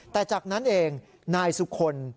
แต่จากนั้นเองนายสุคล